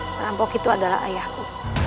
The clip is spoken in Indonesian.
perampok itu adalah ayahku